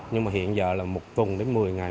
nhưng mà hiện giờ là một tuần đến một mươi ngày